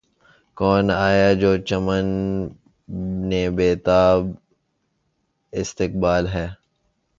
کون آیا‘ جو چمن بے تابِ استقبال ہے!